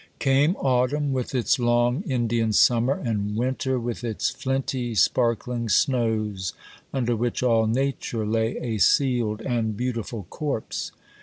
Came autumn, with its long Indian summer, and winter, with its flinty, sparkling snows, under which all Nature lay a sealed and beautiful corpse.